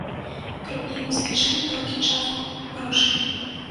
Пры ім знайшлі толькі частку грошай.